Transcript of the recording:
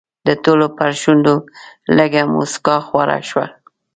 د ټولو پر شونډو لږه موسکا خوره شوه.